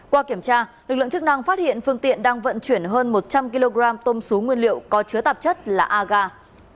qua kiểm tra lực lượng chức năng phát hiện phương tiện đang vận chuyển hơn một trăm linh kg tôm xú nguyên liệu có chứa tạp chất là aga